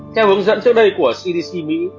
theo hướng dẫn trước đây của cdc mỹ